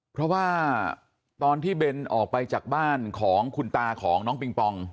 เพราะว่าตอนที่เบนออกไปจากบ้านของคุณตาของน้องปิงปอง